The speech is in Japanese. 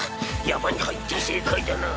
山に入って正解だな。